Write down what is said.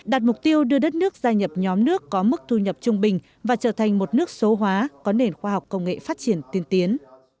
đạt mục tiêu đưa đất nước gia nhập nhóm nước có mức thu nhập trung bình và trở thành một nước số hóa có nền khoa học công nghệ phát triển tiên tiến